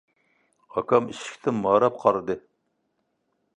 ئاكام ئىشىكتىن ماراپ قارىدى.